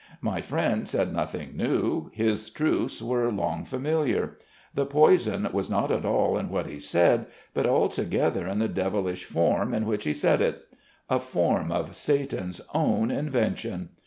My friend said nothing new, his truths were long familiar. The poison was not at all in what he said, but altogether in the devilish form in which he said it. A form of Satan's own invention!